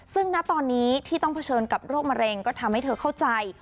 ซึ่งณตอนนี้ที่ต้องเผชิญกับโรคมะเร็งก็ทำให้เธอเข้าใจ